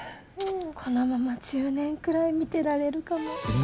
このまま１０年くらい見てられるかも。